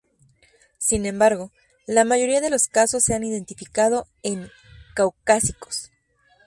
Sin embargo, la mayoría de los casos se han identificado en caucásicos.